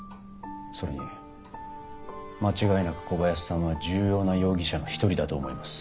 それに間違いなく小林さんは重要な容疑者の一人だと思います。